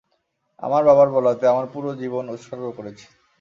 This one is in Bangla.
আমার বাবার বলাতে আমার পুরোটা জীবন উৎসর্গ করেছি।